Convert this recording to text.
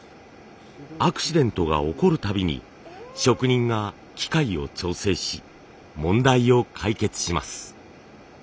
アクシデントが起こるたびに職人が機械を調整し問題を解決します。